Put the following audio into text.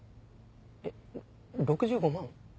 えっ６５万？